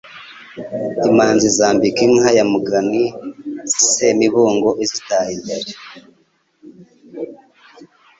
Imanzi zambika inka ya MuganiSemibungo izitaha imbere